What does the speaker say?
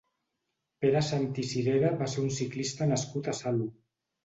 Pere Sant i Cirera va ser un ciclista nascut a Salo.